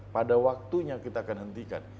pada waktunya kita akan hentikan